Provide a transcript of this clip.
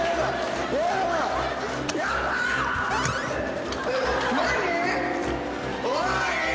おい。